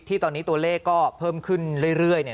ตอนนี้ตัวเลขก็เพิ่มขึ้นเรื่อย